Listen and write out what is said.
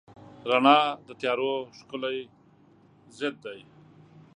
رڼا د تیارو ښکلی ضد دی.